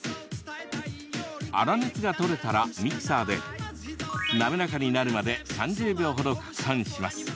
粗熱が取れたらミキサーで滑らかになるまで３０秒ほど、かくはんします。